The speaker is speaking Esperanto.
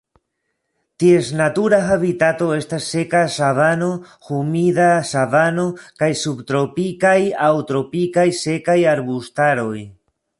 Ties natura habitato estas seka savano, humida savano kaj subtropikaj aŭ tropikaj sekaj arbustaroj.